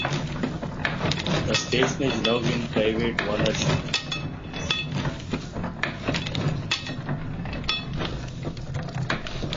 The station is now in private ownership.